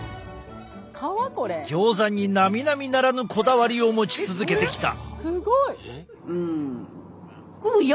ギョーザになみなみならぬこだわりを持ち続けてきた。